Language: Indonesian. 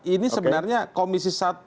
ini sebenarnya komisi satu